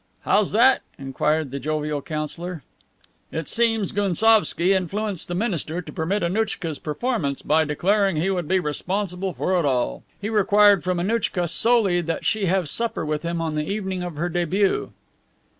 "How's that?" inquired the jovial councilor. "It seems Gounsovski influenced the minister to permit Annouchka's performance by declaring he would be responsible for it all. He required from Annouchka solely that she have supper with him on the evening of her debut."